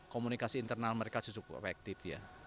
komunikasi internal mereka cukup efektif ya